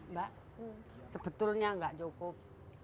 mbak sebetulnya nggak cukup